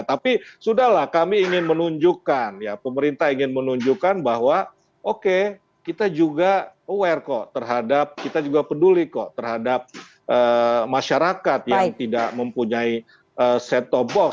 tapi sudah lah kami ingin menunjukkan ya pemerintah ingin menunjukkan bahwa oke kita juga aware kok terhadap kita juga peduli kok terhadap masyarakat yang tidak mempunyai set top box